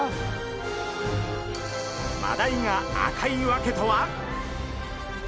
マダイが赤い訳とは！？